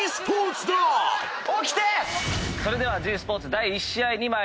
それではｇスポーツ第１試合に参ります。